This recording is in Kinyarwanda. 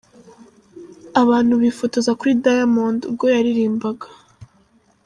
Abantu bifotoza kuri Diamond ubwo yaririmbaga.